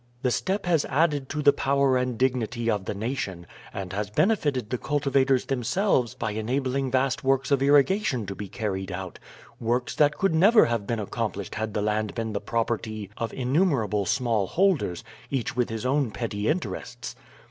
The step has added to the power and dignity of the nation, and has benefited the cultivators themselves by enabling vast works of irrigation to be carried out works that could never have been accomplished had the land been the property of innumerable small holders, each with his own petty interests."